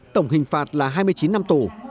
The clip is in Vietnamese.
tổng hình phạt là hai mươi chín năm tù